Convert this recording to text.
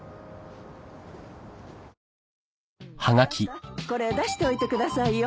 あなたこれ出しておいてくださいよ。